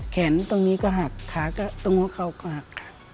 แขนตรงนี้ก็หักขาก็ตรงนี้ก็หักค่ะ